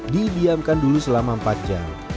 didiamkan dulu selama empat jam